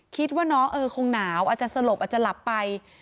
คิดว่าน้องเออคงหนาวอาจจะสลบอาจจะหลับไป